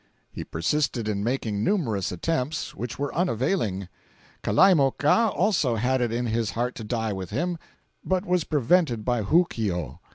He persisted in making numerous attempts, which were unavailing. Kalaimoka also had it in his heart to die with him, but was prevented by Hookio.